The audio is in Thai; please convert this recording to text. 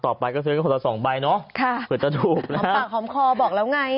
ต่อไปก็ซื้อให้คนต่อ๒ใบเนาะเผื่อจะถูกนะฮะฮอมปากฮอมคอบอกแล้วไง